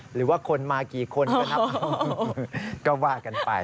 หรือว่าคนมากี่คนก็ว่ากันไป